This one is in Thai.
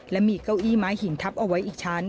และมีเก้าอี้ไม้หินทับเอาไว้อีกชั้น